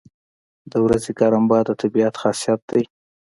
• د ورځې ګرم باد د طبیعت خاصیت دی.